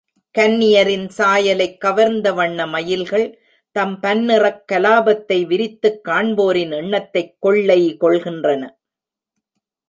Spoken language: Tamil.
கன்னியரின் சாயலைக் கவர்ந்த வண்ணமயில்கள், தம் பன்னிறக் கலாபத்தை விரித்துக் காண்போரின் எண்ணத்தைக் கொள்ளை கொள்கின்றன.